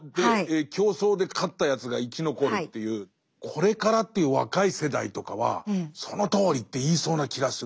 これからという若い世代とかは「そのとおり！」って言いそうな気がする。